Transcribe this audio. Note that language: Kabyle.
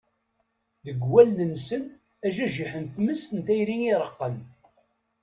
Deg wallen-nsen ajajiḥ n tmes n tayri i ireqqen.